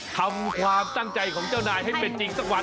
ทำความตั้งใจของเจ้านายให้เป็นจริงสักวัน